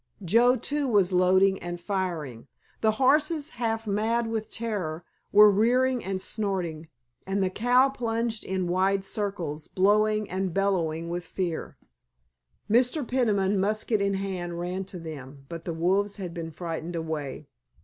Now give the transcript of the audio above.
Joe too was loading and firing. The horses, half mad with terror, were rearing and snorting, and the cow plunged in wide circles, blowing and bellowing with fear. Mr. Peniman, musket in hand, ran to them, but the wolves had been frightened away.